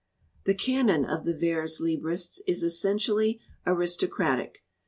"The canon of the vers Ubristes is essentially aristocratic.